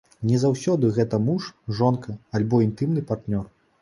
Не заўсёды гэта муж, жонка, альбо інтымны партнёр.